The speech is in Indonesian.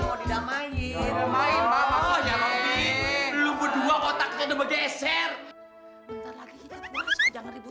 mungkin saya akan berterima kasih pada cair sensei reinforced board